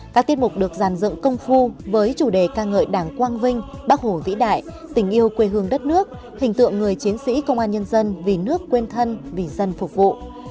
các tiết mục được giàn dựng công phu với chủ đề ca ngợi đảng quang vinh bác hồ vĩ đại tình yêu quê hương đất nước hình tượng người chiến sĩ công an nhân dân vì nước quên thân vì dân phục vụ